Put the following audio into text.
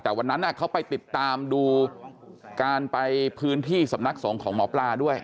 แต่วันนั้นเขาไปติดตามดูการไปพื้นที่สำนักสงฆ์ของหมอปลาด้วย